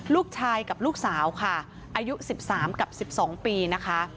ลูกชายกับลูกสาวค่ะอายุ๑๓กับ๑๒ปีนะคะ